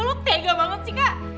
lo tega banget sih kak